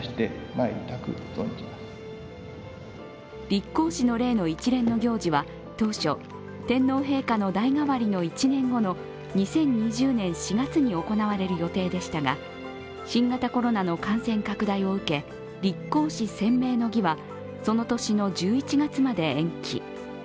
立皇嗣の礼の一連の行事は、当初天皇陛下の代替わりの１年後の２０２０年４月に行われる予定でしたが新型コロナの感染拡大を受け立皇嗣宣明の儀はその年の１１月まで延期。